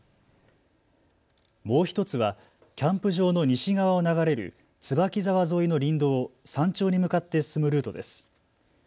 もう１つはキャンプ場の西側を流れる椿沢沿いの林道を山頂に向かって進むルートです。